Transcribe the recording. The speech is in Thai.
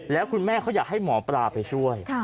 แล้วคุณแม่เขาอยากให้หมอปลาไปช่วย